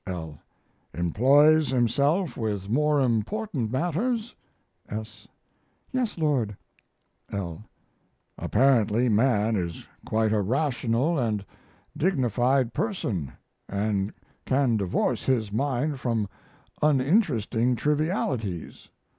L. Employs himself with more important matters? S. Yes, Lord. L. Apparently man is quite a rational and dignified person, and can divorce his mind from uninteresting trivialities.